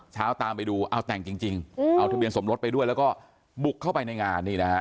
ตามไปดูเอาแต่งจริงเอาทะเบียนสมรสไปด้วยแล้วก็บุกเข้าไปในงานนี่นะฮะ